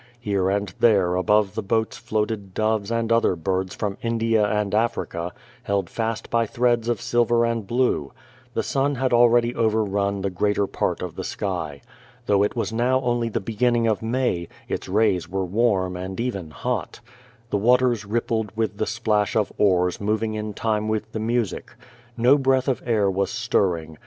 Here and there above the boats floated doves and other birds from India and Africa, held fast by threads of silver and blue. The sun had already overrun the greater part of the sky. Though it was now only the beginning of May, its rays were warm and even hot. The waters rippled with the splash of oars moving in time with the music. No breath of air was stirring.